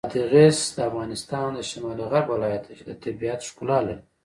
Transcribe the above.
بادغیس د افغانستان د شمال غرب ولایت دی چې د طبیعت ښکلا لري.